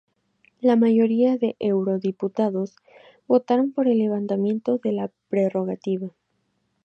La mayoría de eurodiputados, votaron por el levantamiento de la prerrogativa.